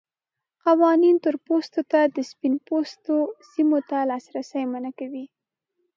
قوانین تور پوستو ته د سپین پوستو سیمو ته لاسرسی منع کوي.